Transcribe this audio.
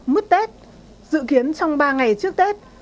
mứt tết dự kiến trong ba ngày trước tết